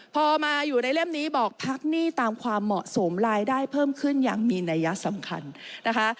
พอมาอยู่ในเล่มนี้บอกพักหนี้ตามความเหมาะสมรายได้เพิ่มขึ้นอย่างมีนัยสำคัญนะคะ